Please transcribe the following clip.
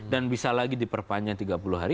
dan bisa lagi diperpanjang tiga puluh hari